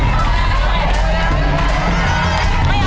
ไม่ออกไป